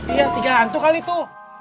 iya tiga hantu kali tuh